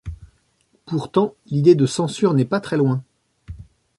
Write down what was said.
Pourtant, l’idée de censure n’est pas très loin.